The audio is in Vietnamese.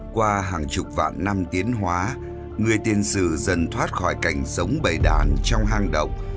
qua hàng chục vạn năm tiến hóa người tiên sử dần thoát khỏi cạnh sống bầy đàn trong hang động